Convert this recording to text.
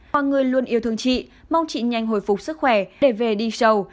mọi người luôn yêu thương chị mong chị nhanh hồi phục sức khỏe để về đi sầu